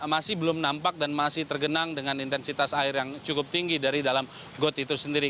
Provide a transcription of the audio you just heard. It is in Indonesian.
masih belum nampak dan masih tergenang dengan intensitas air yang cukup tinggi dari dalam got itu sendiri